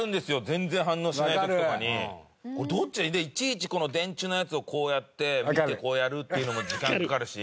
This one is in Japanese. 全然反応しない時とかにいちいちこの電池のやつをこうやって見てこうやるっていうのも時間かかるし。